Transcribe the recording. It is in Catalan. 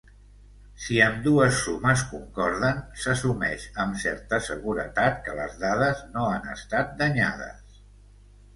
Si ambdues sumes concorden, s'assumeix amb certa seguretat que les dades no han estat danyades.